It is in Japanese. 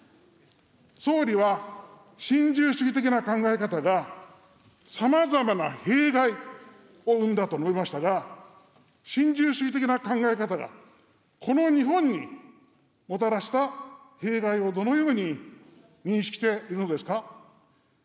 総理は新自由主義的な考え方が、さまざまな弊害を生んだと述べましたが、新自由主義的な考え方が、この日本にもたらした弊害をどのように認識しているのですか。